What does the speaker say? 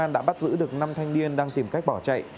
đã bắt giữ được năm thanh niên đang tìm cách bỏ chạy